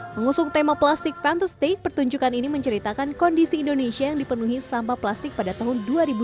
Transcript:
mengusung tema plastik fantastik pertunjukan ini menceritakan kondisi indonesia yang dipenuhi sampah plastik pada tahun dua ribu dua puluh